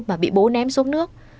mà bị bố ném xuống nước